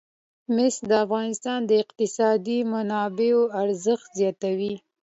مس د افغانستان د اقتصادي منابعو ارزښت زیاتوي.